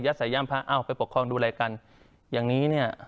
สายยามพระอ้าวไปปกครองดูแลกันอย่างนี้เนี่ย